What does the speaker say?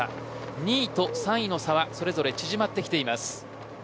２位と３位の差はそれぞれ縮まってきています。